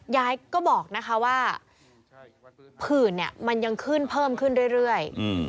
ยายก็บอกนะคะว่าผื่นเนี่ยมันยังขึ้นเพิ่มขึ้นเรื่อย